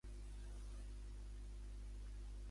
Pare nostre petit, Déu l'ha fet i Déu l'ha dit.